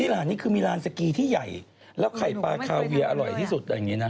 หลานนี่คือมีร้านสกีที่ใหญ่แล้วไข่ปลาคาเวียอร่อยที่สุดอย่างนี้นะ